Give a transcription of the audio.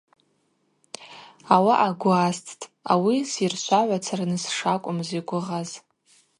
Ауаъа гвы асттӏ ауи сйыршвагӏвацарныс шакӏвмыз йгвыгъаз.